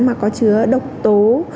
mà có chứa độc tố